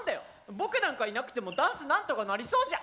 僕なんかいなくてもダンスなんとかなりそうじゃん！